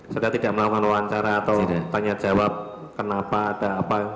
saudara tidak melakukan wawancara atau tanya jawab kenapa ada apa